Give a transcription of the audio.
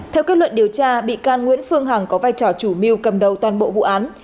theo kết luận điều tra bị can nguyễn phương hằng có vai trò chủ mưu cầm đầu toàn bộ vụ án